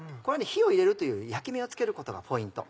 火を入れるというより焼き目をつけることがポイント。